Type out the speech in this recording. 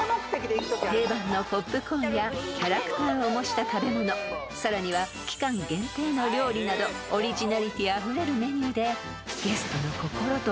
［定番のポップコーンやキャラクターを模した食べ物さらには期間限定の料理などオリジナリティーあふれるメニューで］